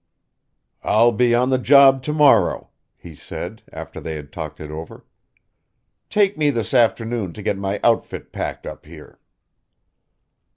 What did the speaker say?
"I'll be on the job to morrow," he said, after they had talked it over. "Take me this afternoon to get my outfit packed up here."